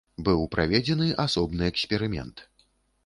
Быў праведзены асобны эксперымент.